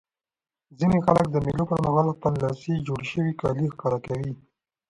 ځيني خلک د مېلو پر مهال خپلي لاسي جوړ سوي کالي ښکاره کوي.